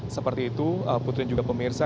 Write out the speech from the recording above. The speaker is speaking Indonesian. seperti itu butuhnya juga pemirsa